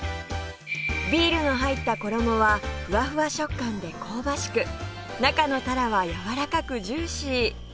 ビールの入った衣はフワフワ食感で香ばしく中のタラはやわらかくジューシー